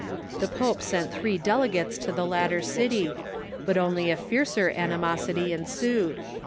The pope sent three delegates to the latter city. But only a fiercer animosity ensued.